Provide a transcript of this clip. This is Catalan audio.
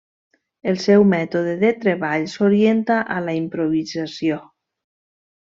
El seu mètode de treball s'orienta a la improvisació.